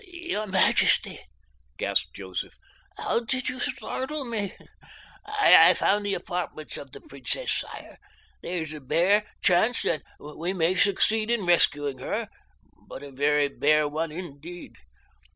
"Your majesty," gasped Joseph, "how you did startle me! I found the apartments of the princess, sire. There is a bare chance that we may succeed in rescuing her, but a very bare one, indeed.